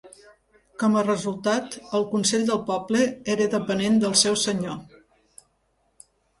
Com a resultat el consell del poble era depenent del seu senyor.